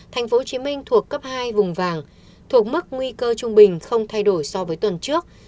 tp hcm thuộc cấp hai vùng vàng thuộc mức nguy cơ trung bình không thay đổi so với tuần trước